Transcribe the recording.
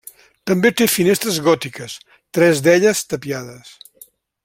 També té finestres gòtiques, tres d'elles tapiades.